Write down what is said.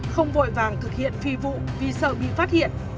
không vội vàng thực hiện phi vụ vì sợ bị phát hiện